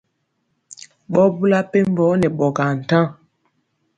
Ɓɔ bula mpembɔ nɛ ɓɔgaa ntaŋ.